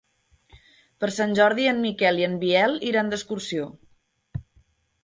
Per Sant Jordi en Miquel i en Biel iran d'excursió.